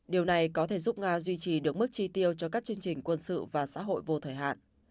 điều này có thể giúp nga duy trì được mức chi tiêu cho các chương trình quân sự và xã hội vô thời hạn